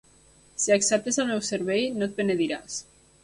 Si acceptes el meu servei, no et penediràs.